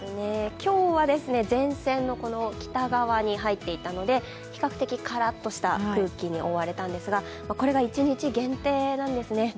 今日は前線の北側に入っていたので比較的カラッとした空気に覆われたんですがこれが一日限定なんですね。